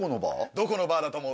どこのバーだと思う？